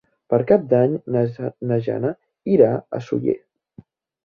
Per Cap d'Any na Jana irà a Sóller.